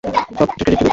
সব ক্রেডিট জুলির।